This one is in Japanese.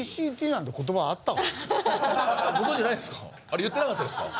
あれ言ってなかったですか？